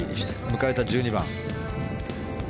迎えた１２番。